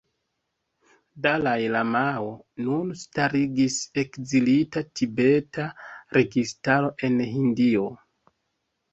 Dalai Lamao nun starigis Ekzilita tibeta registaro en Hindio.